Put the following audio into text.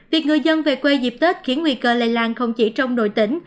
việc người dân về quê dịp tết khiến nguy cơ lây lan không chỉ trong đội tỉnh